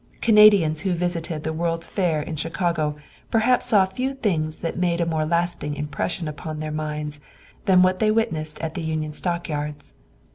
Canadians who visited the World's Fair in Chicago perhaps saw few things that made a more lasting impression upon their minds than what they witnessed at the Union Stock Yards.